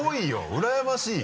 うらやましい。